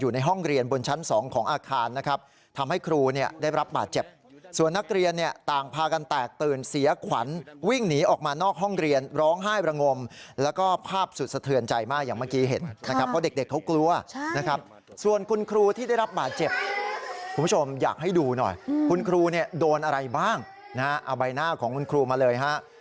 ในห้องเรียนบนชั้นสองของอาคารนะครับทำให้ครูเนี่ยได้รับบาดเจ็บส่วนนักเรียนเนี่ยต่างพากันแตกตื่นเสียขวัญวิ่งหนีออกมานอกห้องเรียนร้องไห้ประงมแล้วก็ภาพสุดสะเทือนใจมากอย่างเมื่อกี้เห็นนะครับเพราะเด็กเขากลัวนะครับส่วนคุณครูที่ได้รับบาดเจ็บคุณผู้ชมอยากให้ดูหน่อยคุณครูเนี่ยโดนอะไรบ้างนะฮะเอาใบหน้าของคุณครูมาเลยฮะ